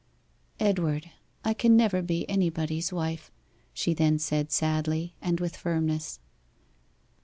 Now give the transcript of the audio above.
'Edward, I can never be anybody's wife,' she then said sadly, and with firmness.